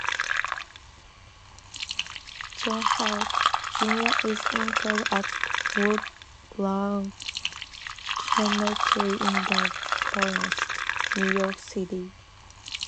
John Held, Junior is interred at Woodlawn Cemetery in The Bronx, New York City.